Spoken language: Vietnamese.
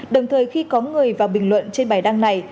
đồng thời khi có người vào bình luận trên bài đăng này